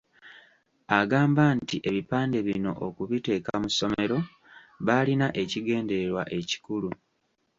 Agamba nti ebipande bino okubiteeka mu ssomero baalina ekigendererwa ekikulu.